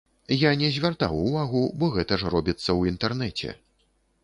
Я не звяртаў увагу, бо гэта ж робіцца ў інтэрнэце.